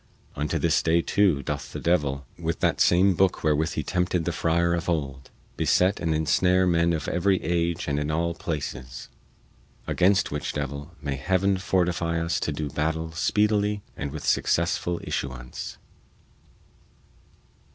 Unto this day, too, doth the devil, with that same booke wherewith he tempted the friar of old, beset and ensnare men of every age and in all places. Against which devil may Heaven fortify us to do battle speedily and with successful issuance.